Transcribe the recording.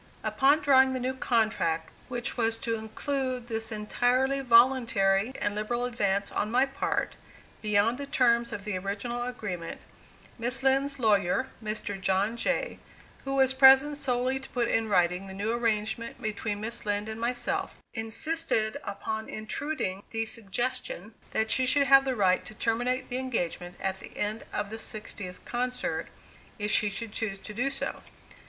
Upon drawing the new contract which was to include this entirely voluntary and liberal advance on my part, beyond the terms of the original agreement, Miss Lind's lawyer, Mr. John Jay, who was present solely to put in writing the new arrangement between Miss Lind and myself, insisted upon intruding the suggestion that she should have the right to terminate the engagement at the end of the sixtieth concert, if she should choose to do so.